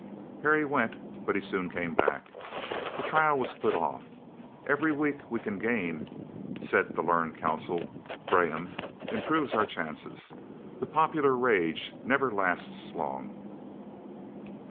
Harry went, but he soon came back. The trial was put off. Every week we can gain, said the learned counsel, Braham, improves our chances. The popular rage never lasts long.